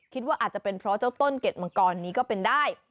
คิดว่าอาจจะเป็นเพราะเจ้าต้นเก็ดมังกรนี้ก็เป็นได้